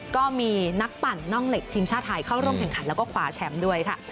ก็มีนักปั่นน่องเหล็กทีมชาติไทยเข้าร่วมแข่งขันแล้วก็คว้าแชมป์ด้วยค่ะ